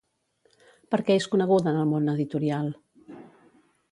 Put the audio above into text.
Per què és coneguda en el món editorial?